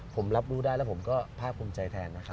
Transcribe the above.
ผมรับรู้ได้แล้วผมก็ภาคภูมิใจแทนนะครับ